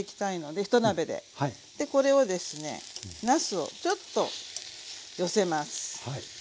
でこれをですねなすをちょっと寄せます。